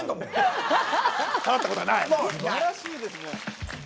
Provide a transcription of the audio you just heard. すばらしいですね。